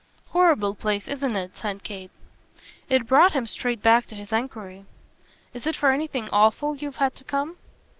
"Horrible place, isn't it?" said Kate. It brought him straight back to his enquiry. "Is it for anything awful you've had to come?"